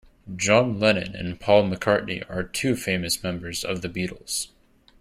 John Lennon and Paul McCartney are two famous members of the Beatles.